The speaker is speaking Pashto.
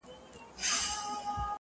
پاس پر پالنگه اكثر.